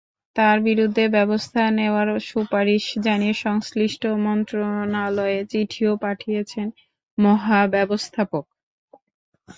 তঁার বিরুদ্ধে ব্যবস্থা নেওয়ার সুপারিশ জানিয়ে সংশ্লিষ্ট মন্ত্রণালয়ে চিঠিও পাঠিয়েছেন মহাব্যবস্থাপক।